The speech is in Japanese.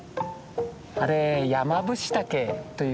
あれヤマブシタケというキノコです。